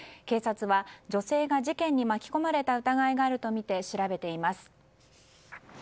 警察は女性が事件に巻き込まれた疑いがあるとみて調べています。